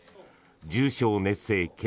・重症熱性血